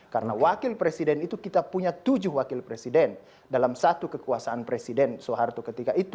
karena wakil presiden itu kita punya tujuh wakil presiden dalam satu kekuasaan presiden soeharto ketika itu